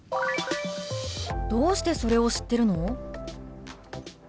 「どうしてそれを知ってるの？」。